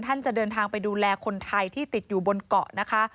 จะเดินทางไปดูแลคนไทยที่ติดอยู่บนเกาะนะคะ